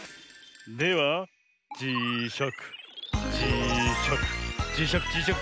ではじしゃくじしゃくじしゃくじしゃく